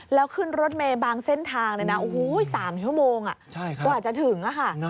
แล้วขึ้นรถเมย์บางเส้นทางเลยนะ๓ชั่วโมงกว่าจะถึงค่ะ